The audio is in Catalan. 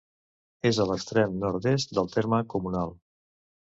És a l'extrem nord-est del terme comunal.